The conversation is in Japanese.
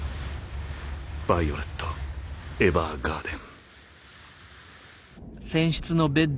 ヴァイオレット・エヴァーガーデン。